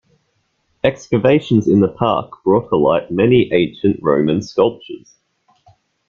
Excavations in the park brought to light many ancient Roman sculptures.